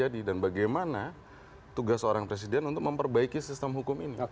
dan bagaimana tugas seorang presiden untuk memperbaiki sistem hukum ini